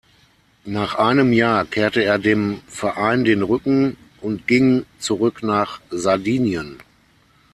Nach einem Jahr kehrte er dem Verein den Rücken und ging zurück nach Sardinien.